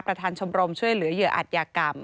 ประธานชมรมช่วยเหลือเหยื่ออัธยากรรม